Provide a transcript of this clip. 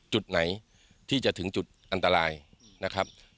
จุดไหนที่จะถึงจุดอันตรายนะครับ